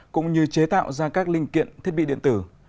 cũng như chế tạo ra các linh kiện thiết bị điện tử